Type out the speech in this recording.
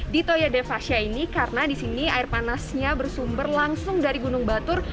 di toya devasya ini karena di sini air panasnya bersumber langsung dari gunung batur